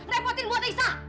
repotin buat risa